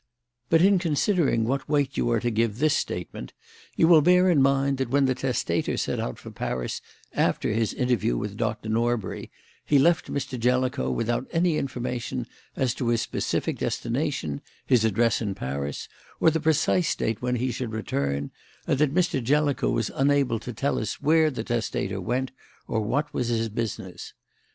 But in considering what weight you are to give to this statement you will bear in mind that when the testator set out for Paris after his interview with Doctor Norbury he left Mr. Jellicoe without any information as to his specific destination, his address in Paris, or the precise date when he should return, and that Mr. Jellicoe was unable to tell us where the testator went or what was his business.